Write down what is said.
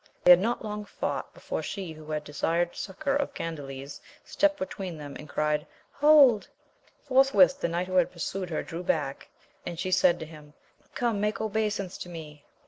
17 They had not long fought before she who had de sired succour of Gandales, stepped between them, and cried, Hold ! Forthwith the knight who had pursued her drew back, and she said to him — Come, make obeisance to me